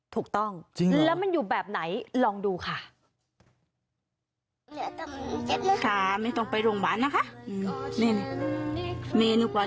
ถูกต้องแล้วมันอยู่แบบไหนลองดูค่ะ